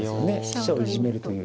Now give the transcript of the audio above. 飛車をいじめるという。